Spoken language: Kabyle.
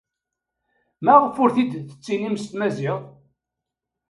Maɣef ur t-id-tettinim s tmaziɣt?